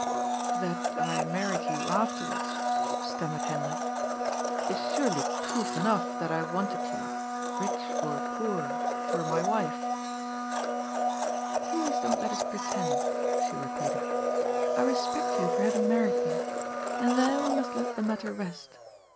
That I married you afterwards," stammered Hendrik, " is surely proof enough that I wanted you — ^rich or poor — for my wife." " Please don't let us pretend," she repeated. " I respect you for haying married me, and there we must let the mat ter rest.